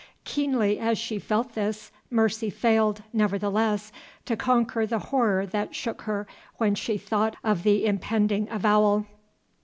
Keenly as she felt this, Mercy failed, nevertheless, to conquer the horror that shook her when she thought of the impending avowal.